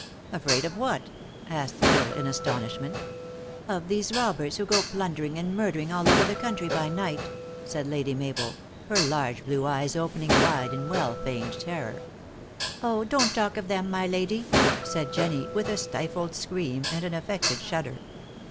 " Afraid of what ?" asked L Isle in astonishment. " Of these robbers, who go plundering and murder, ing all over the country by night !" said Lady Mabel, her large blue eyes opening wide in well feigned terror. "Oh, don t talk of them, my lady!" said Jenny, with a stifled scream, and an affected shudder.